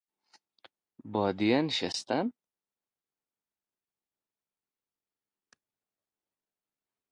بادیه نشتن